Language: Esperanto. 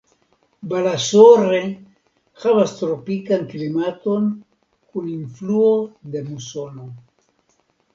Balasore havas tropikan klimaton kun influo de musono.